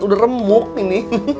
udah remuk ini